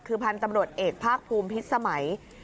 คือพันธุ์ตำรวจเอกภาคภูมิพิษสมัย